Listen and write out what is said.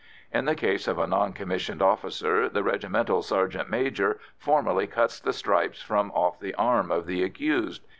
In the case of a non commissioned officer the regimental sergeant major formally cuts the stripes from off the arm of the accused.